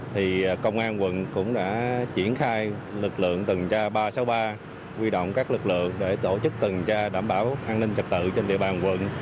thì công an quận cũng đã triển khai lực lượng từng tra ba trăm sáu mươi ba quy động các lực lượng để tổ chức từng tra đảm bảo an ninh trật tự trên địa bàn quận